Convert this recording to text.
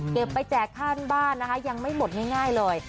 ไปแจกค่าบ้านนะคะยังไม่หมดง่ายเลย